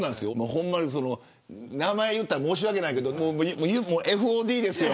ほんまに、もう名前言ったら申し訳ないですけどＦＯＤですよ。